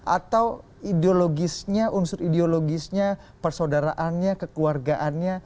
atau ideologisnya unsur ideologisnya persaudaraannya kekeluargaannya